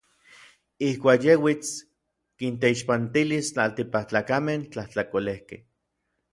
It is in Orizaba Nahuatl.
Ijkuak yej uits, kinteixpantilis n tlaltikpaktlakamej tlajtlakolejkej.